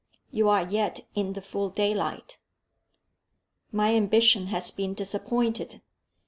"You are yet in the full daylight." "My ambition has been disappointed.